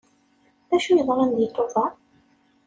D acu yeḍran deg Tubeṛ?